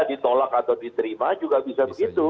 ditolak atau diterima juga bisa begitu